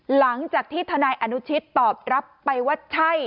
หลังจากที่ทนายอนุชิตตอบรับไปว่าใช่